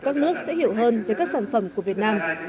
các nước sẽ hiểu hơn về các sản phẩm của việt nam